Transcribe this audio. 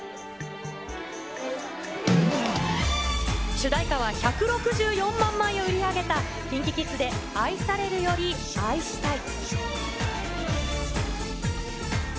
主題歌は１６４万枚を売り上げた、ＫｉｎＫｉＫｉｄｓで愛されるより愛したい。